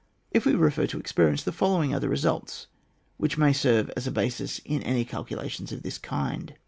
If we refer to experience the following are the results, which may serve as a basis in any calculations of this kind.